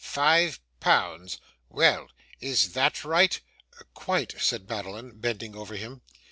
Five pounds well, is THAT right?' 'Quite,' said Madeline, bending over him.